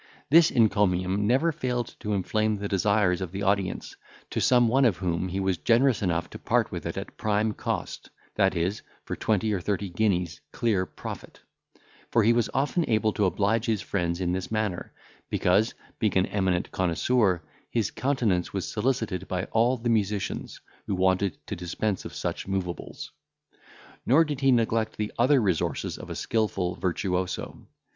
This encomium never failed to inflame the desires of the audience, to some one of whom he was generous enough to part with it at prime cost—that is, for twenty or thirty guineas clear profit; for he was often able to oblige his friends in this manner, because, being an eminent connoisseur, his countenance was solicited by all the musicians, who wanted to dispose of such moveables. Nor did he neglect the other resources of a skilful virtuoso.